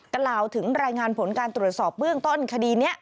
กล่าวถึงรายงานผลการตรวจสอบเบื้องต้นคดีนี้